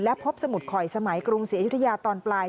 พบสมุดข่อยสมัยกรุงศรีอยุธยาตอนปลาย